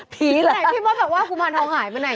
ไหนพี่มดแบบว่ากุมารทองหายไปไหน